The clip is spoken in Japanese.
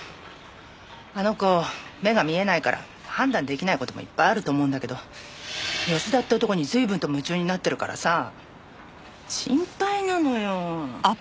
あの子目が見えないから判断出来ない事もいっぱいあると思うんだけど吉田って男に随分と夢中になってるからさ心配なのよ。